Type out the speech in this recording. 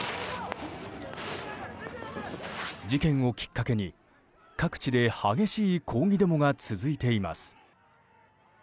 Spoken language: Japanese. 事件をきっかけに、各地で激しい抗議デモが続いています。